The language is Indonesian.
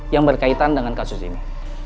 yang berkaitan dengan kasus ini